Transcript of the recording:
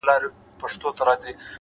عاجزي د عزت دروازې خلاصوي’